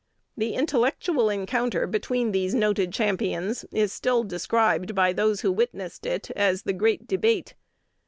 The intellectual encounter between these noted champions is still described by those who witnessed it as "the great debate."